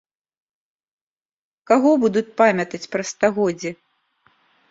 Каго будуць памятаць праз стагоддзі?